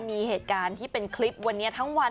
มีเหตุการณ์ที่เป็นคลิปวันนี้ทั้งวัน